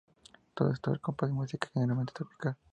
Todo esto al compás de música generalmente tropical.